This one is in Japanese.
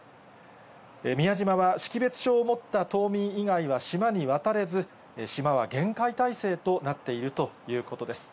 宮島は識別証を持った島民以外は島に渡れず、島は厳戒態勢となっているということです。